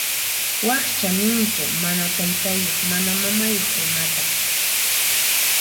Wakcha ninku mana taytayuq mana mamayuq runata.